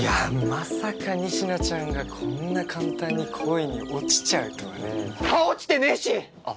まさか仁科ちゃんがこんな簡単に恋に落ちちゃうとはねはあ！？